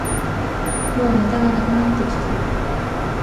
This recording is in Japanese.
もうネタがなくなってきた